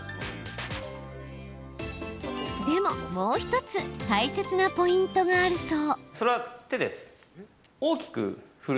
でも、もう１つ大切なポイントがあるそう。